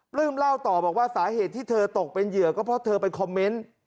ลื้มเล่าต่อบอกว่าสาเหตุที่เธอตกเป็นเหยื่อก็เพราะเธอไปคอมเมนต์